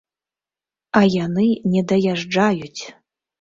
А яны не даязджаюць!